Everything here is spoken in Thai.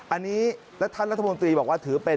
อันนี้และท่านรัฐมนตรีบอกว่าถือเป็น